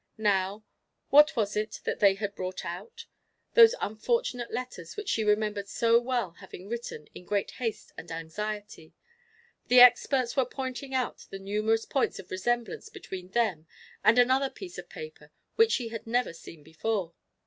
Now what was it that they had brought out? Those unfortunate letters which she remembered so well having written, in great haste and anxiety. The experts were pointing out numerous points of resemblance between them and another piece of paper, which she had never seen before.